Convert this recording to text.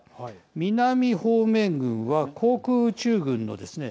南方面軍は航空宇宙軍のですね